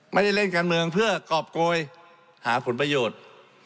เล่นการเมืองเพื่อกรอบโกยหาผลประโยชน์